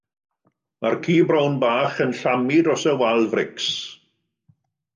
Mae'r ci brown bach yn llamu dros y wal frics.